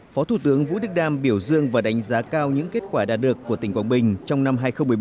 phó thủ tướng vũ đức đam biểu dương và đánh giá cao những kết quả đạt được của tỉnh quảng bình trong năm hai nghìn một mươi bảy